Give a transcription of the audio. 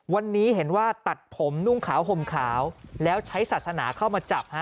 วันนี้เห็นว่าตัดผมนุ่งขาวห่มขาวแล้วใช้ศาสนาเข้ามาจับฮะ